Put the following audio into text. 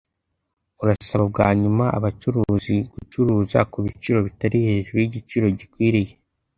urasaba bwa nyuma abacuruzi gucuruza ku biciro bitari hejuru y igiciro gikwiriye